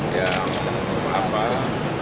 iya betul betul